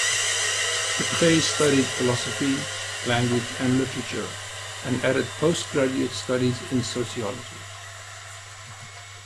Deprez studied philosophy, language and literature and added postgraduate studies in sociology.